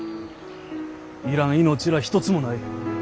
要らん命らあ一つもない。